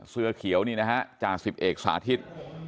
เสื้อเขียวนี่นะฮะจ่าสิบเอกสาธิต